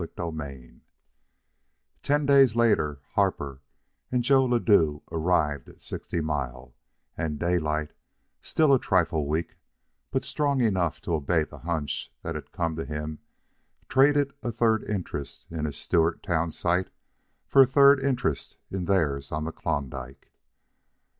CHAPTER IX Ten days later, Harper and Joe Ladue arrived at Sixty Mile, and Daylight, still a trifle weak, but strong enough to obey the hunch that had come to him, traded a third interest in his Stewart town site for a third interest in theirs on the Klondike.